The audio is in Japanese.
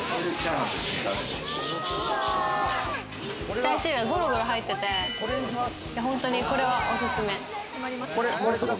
チャーシューがゴロゴロ入ってて、ほんとにこれはおすすめ。